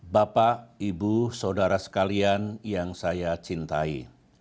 bapak ibu saudara sekalian yang saya cintai